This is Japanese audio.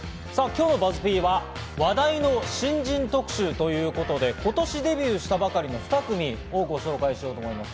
今日のＢＵＺＺ−Ｐは話題の新人特集ということで今年デビューしたばかりの２組をご紹介しようと思います。